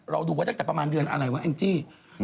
เราดูว่าตั้งแต่ประมาณเดือนอะไรวะอิ๋นจี้